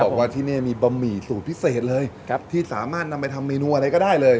บอกว่าที่นี่มีบะหมี่สูตรพิเศษเลยที่สามารถนำไปทำเมนูอะไรก็ได้เลย